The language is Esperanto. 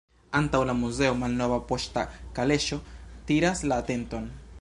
Antaŭ la muzeo malnova poŝta kaleŝo tiras la atenton.